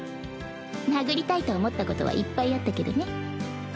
殴りたいと思ったことはいっぱいあったけどね。